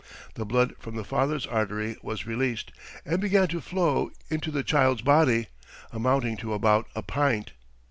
The blood from the father's artery was released, and began to flow into the child's body, amounting to about a pint.